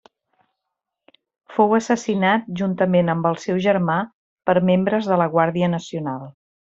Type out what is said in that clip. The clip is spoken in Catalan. Fou assassinat juntament amb el seu germà per membres de la Guàrdia Nacional.